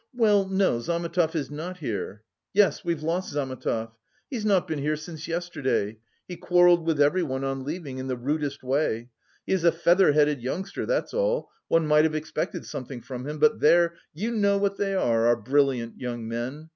Well, no, Zametov is not here. Yes, we've lost Zametov. He's not been here since yesterday... he quarrelled with everyone on leaving... in the rudest way. He is a feather headed youngster, that's all; one might have expected something from him, but there, you know what they are, our brilliant young men.